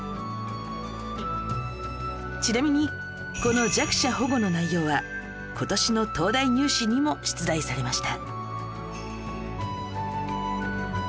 ちなみにこの弱者保護の内容は今年の東大入試にも出題されました